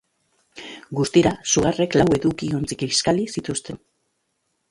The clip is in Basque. Guztira, sugarrek lau edukiontzi kiskali zituzten.